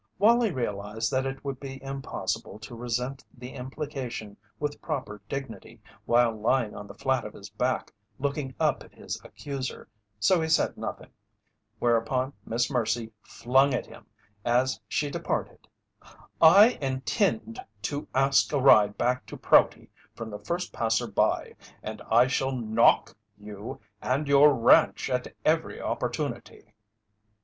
Wallie realized that it would be impossible to resent the implication with proper dignity while lying on the flat of his back looking up at his accuser, so he said nothing, whereupon Miss Mercy flung at him as she departed: "I intend to ask a ride back to Prouty from the first passerby, and I shall knock you and your ranch at every opportunity!"